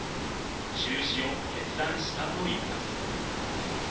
中止を決断したといいます。